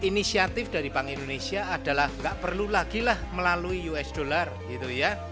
inisiatif dari bank indonesia adalah gak perlu lagi lah melalui us dollar gitu ya